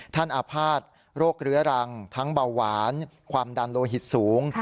อาภาษณ์โรคเรื้อรังทั้งเบาหวานความดันโลหิตสูง